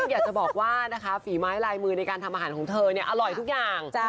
อยากจะบอกว่านะคะฝีไม้ลายมือในการทำอาหารของเธอเนี่ยอร่อยทุกอย่าง